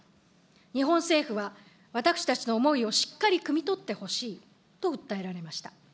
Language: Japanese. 日本政府は、私たちの思いをしっかりくみ取ってほしいと訴えられました。